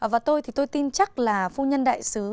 và tôi thì tôi tin chắc là phu nhân đại sứ